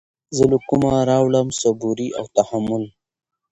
زه له كومه راوړم صبوري او تحمل